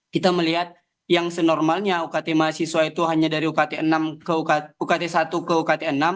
kita melihat yang senormalnya ukt mahasiswa itu hanya dari ukt enam ke ukt satu ke ukt enam